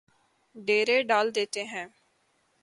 ڈیرے ڈال دیتے ہیں